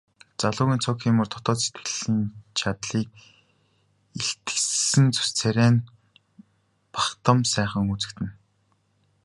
Залуугийн цог хийморь дотоод сэтгэлийн чадлыг илтгэсэн зүс царай нь бахдам сайхан үзэгдэнэ.